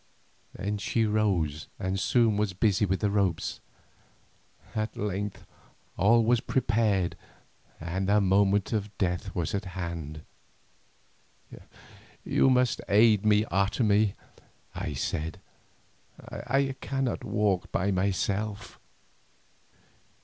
Then she rose and soon was busy with the ropes. At length all was prepared and the moment of death was at hand. "You must aid me, Otomie," I said; "I cannot walk by myself."